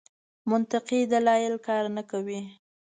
منطقي دلایل کار نه کاوه.